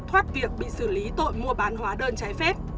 thoát việc bị xử lý tội mua bán hóa đơn trái phép